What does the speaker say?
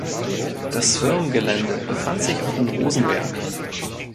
Das Firmengelände befand sich auf dem Rosenberg.